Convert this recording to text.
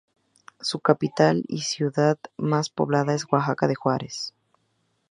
Su capital y ciudad más poblada es Oaxaca de Juárez.